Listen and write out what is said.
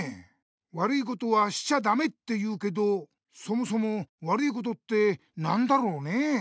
悪いことはしちゃダメって言うけどそもそも「悪いこと」って何だろうね？